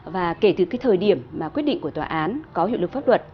và kể từ cái thời điểm mà quyết định của tòa án có hiệu lực pháp luật